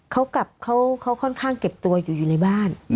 เขากลับเขาค่อนข้างเก็บตัวอยู่ในบ้าน